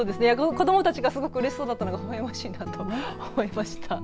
子どもたちがうれしそうなのがほほ笑ましいと思いました。